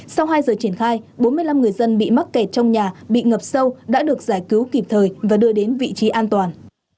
sau hai giờ triển khai bốn mươi năm người dân bị mắc kẹt trong nhà bị ngập sâu đã được giải cứu kịp thời và đưa đến vị trí an toàn